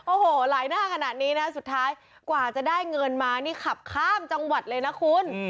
โอ้โหหลายหน้าขนาดนี้นะสุดท้ายกว่าจะได้เงินมานี่ขับข้ามจังหวัดเลยนะคุณ